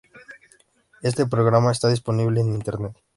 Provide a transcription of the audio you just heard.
Este programa está disponible en Internet.